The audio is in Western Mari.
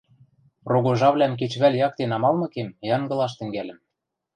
Рогожавлӓм кечӹвӓл якте намалмыкем, янгылаш тӹнгӓльӹм.